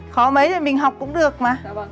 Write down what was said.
khó mấy thì mình học cũng được mà